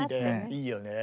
いいよね。